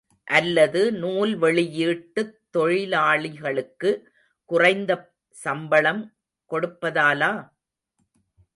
அல்லது நூல் வெளியீட்டுத் தொழிலாளிகளுக்கு குறைந்த சம்பளம் கொடுப்பதாலா?